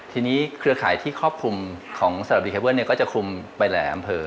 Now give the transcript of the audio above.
ทีนี้เครือข่ายที่ครอบคลุมของสลับดีเคเบิ้ลก็จะคุมไปหลายอำเภอ